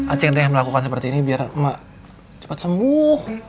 acing deh melakukan seperti ini biar mak cepet sembuh